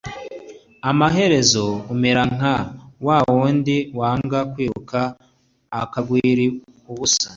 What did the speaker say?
amaherezo umera nka wa wundi wanga kwiruka akagwira ubusa